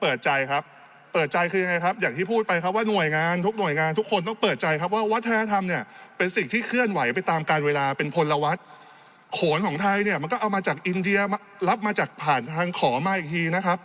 เปิดใจครับเปิดใจคือยังไงครับอย่างที่พูดไปครับว่าหน่วยงานทุกหน่วยงานทุกคนต้องเปิดใจครับว่าวัฒนธรรมเนี่ยเป็นสิ่งที่เคลื่อนไหวไปตามการเวลาเป็นพลวัฒน์โขนของไทยเนี่ยมันก็เอามาจากอินเดียรับมาจากผ่านทางขอมาอีกทีนะครับ